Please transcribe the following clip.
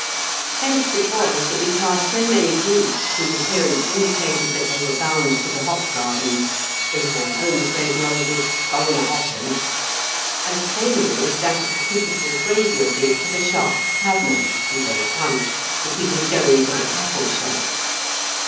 Hence it was that we passed so many groups whose appearance indicated that they were bound to the hop gardens — ^in their own phraseology, " goin' a hoppin' "— as plainly as that of the typical grazier did to the sharp cabman {vide Punch) that he was going to the cattle show.